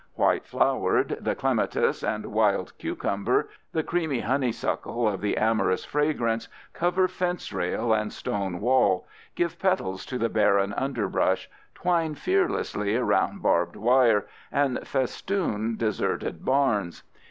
White flowered, the clematis and wild cucumber, the creamy honeysuckle of the amorous fragrance, cover fence rail and stone wall, give petals to the barren underbrush, twine fearlessly around barbed wire, and festoon deserted barns.